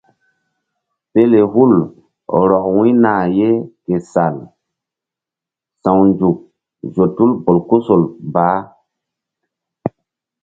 Pelehul rɔk wu̧y nah ye ke sal sawnzuk zo tul bolkusol bah.